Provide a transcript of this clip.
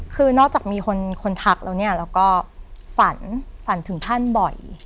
คือนอกจากมีคนทักแล้วเนี่ยเราก็ฝันฝันถึงท่านบ่อย